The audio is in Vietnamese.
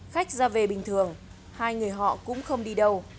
khách ra về bình thường hai người họ cũng không đi đâu